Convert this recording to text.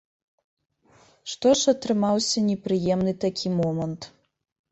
Што ж атрымаўся непрыемны такі момант.